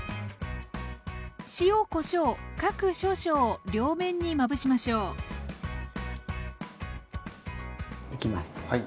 塩・こしょう各少々を両面にまぶしましょう。いきます。